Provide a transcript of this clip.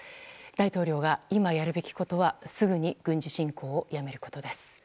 大統領が今やるべきことはすぐに軍事侵攻をやめることです。